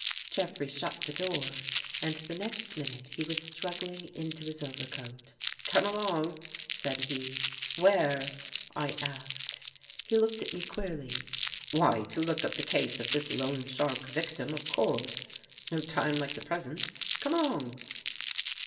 Jeffrey shut the door and the next minute he was struggling into his overcoat. " Come along," said he. "Where?" I asked . He looked at me queerly. " Why to look up the the case of this Loan Shark victim, of course. No time like the present. Come along."